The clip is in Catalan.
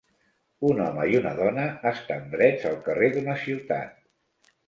Un home i una dona estan drets al carrer d'una ciutat.